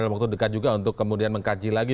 dalam waktu dekat juga untuk kemudian mengkaji lagi